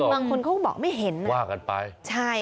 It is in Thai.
บางคนเขาก็บอกไม่เห็นว่ากันไปใช่